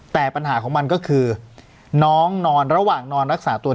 แต่ปัญหาของมันก็คือน้องนอนระหว่างนอนรักษาตัว